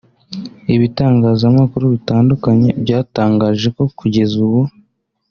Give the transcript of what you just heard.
Ibitangazamakuru bitandukanye byatangaje ko kugeza ubu